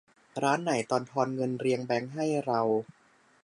ร้านไหนตอนทอนเงินเรียงแบงก์ให้เรา